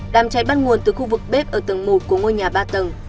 đám cháy bắt nguồn từ khu vực bếp ở tầng một của ngôi nhà ba tầng